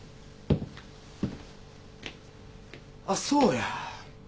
あっそうや。